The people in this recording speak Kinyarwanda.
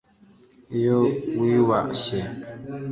iyo wiyubashye